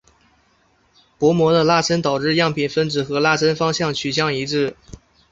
薄膜的拉伸导致样品分子和拉伸方向取向一致。